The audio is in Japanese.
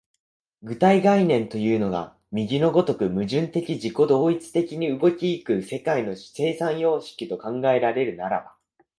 具体概念というのが右の如く矛盾的自己同一的に動き行く世界の生産様式と考えられるならば、